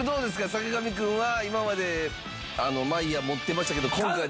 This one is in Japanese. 坂上くんは今までマイヤー持ってましたけど。